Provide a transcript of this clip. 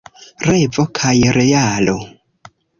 Revo kaj realo.